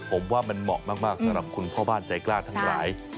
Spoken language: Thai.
ผมว่ามันเหมาะมากสำหรับคุณพ่อบ้านใจกล้าทั้งหลาย